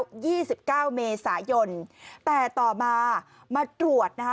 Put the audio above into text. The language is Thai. ยี่สิบเก้าเมษายนแต่ต่อมามาตรวจนะคะ